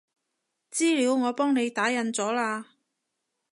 資料我幫你打印咗喇